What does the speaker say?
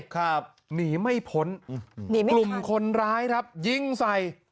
ครับหนีไม่พ้นกลุ่มคนร้ายครับยิงใส่